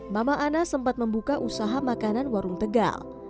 mama ana sempat membuka usaha makanan warung tegal